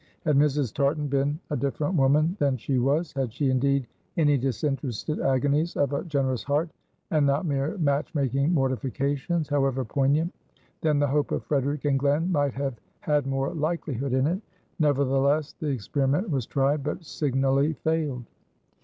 Had Mrs. Tartan been a different woman than she was; had she indeed any disinterested agonies of a generous heart, and not mere match making mortifications, however poignant; then the hope of Frederic and Glen might have had more likelihood in it. Nevertheless, the experiment was tried, but signally failed.